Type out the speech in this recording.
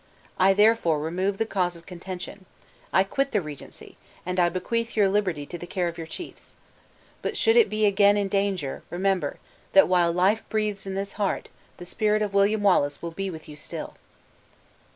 I therefore remove the cause of contention. I quit the regency; and I bequeath your liberty to the care of your chiefs. But should it be again in danger, remember, that while life breathes in this heart, the spirit of William Wallace will be with you still!"